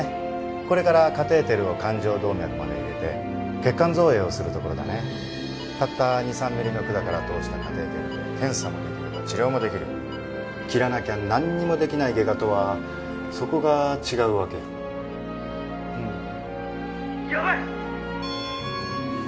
これからカテーテルを冠状動脈まで入れて血管造影をするところだねたった２３ミリの管から通したカテーテルで検査もできれば治療もできる切らなきゃ何もできない外科とはそこが違うわけやばい！